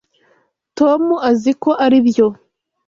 Tom azi ko aribyo.